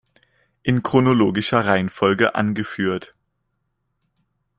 In chronologischer Reihenfolge angeführt.